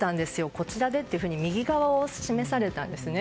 こちらで、と右側を示されたんですね。